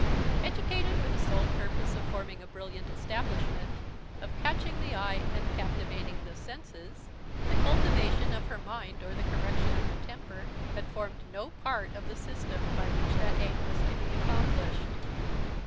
Educated for the sole purpose of forming a brilliant establishment, of catching the eye, and captivating the senses, the cultivation of her mind or the correction of her temper had formed no part of the system by which that aim was to be accomplished.